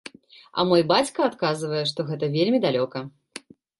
А мой бацька адказвае, што гэта вельмі далёка.